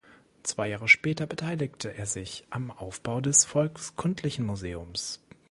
Zwei Jahre später beteiligte er sich am Aufbau des Volkskundlichen Museums.